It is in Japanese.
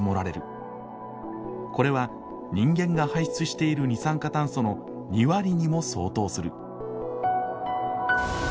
これは人間が排出している二酸化炭素の２割にも相当する。